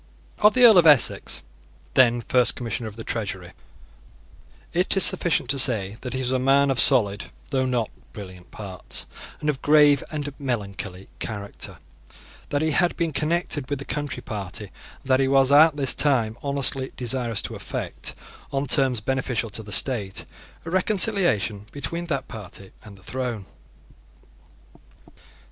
Of the Earl of Essex, then First Commissioner of the Treasury, it is sufficient to say that he was a man of solid, though not brilliant parts, and of grave and melancholy character, that he had been connected with the Country Party, and that he was at this time honestly desirous to effect, on terms beneficial to the state, a reconciliation between that party and the throne.